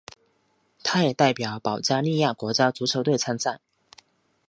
他也代表保加利亚国家足球队参赛。